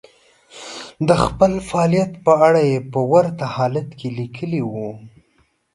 د خپل فعاليت په اړه يې په ورته حالت کې ليکلي وو.